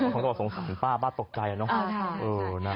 คนตกสงสัญป่ะป้าตกใจนะ